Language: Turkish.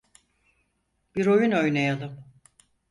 Bir oyun oynayalım.